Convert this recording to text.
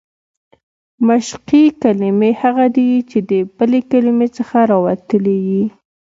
مشقي کلیمې هغه دي، چي د بلي کلیمې څخه راوتلي يي.